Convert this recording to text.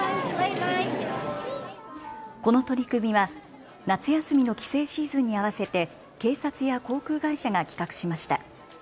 この取り組みは夏休みの帰省シーズンに合わせて警察や航空会社が企画しました。